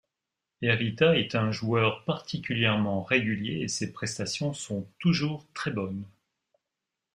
Hérita est un joueur particulièrement régulier et ses prestations sont toujours très bonnes.